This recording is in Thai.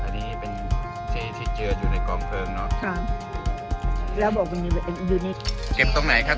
อันนี้เป็นที่เจออยู่ในกล้องเฟิร์งเนอะครับแล้วบอกว่ามันยูนิคเก็บตรงไหนครับ